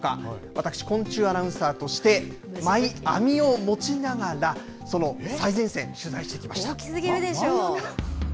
私、昆虫アナウンサーとしてマイ網を持ちながら、その最前線、取材し大きすぎるでしょう。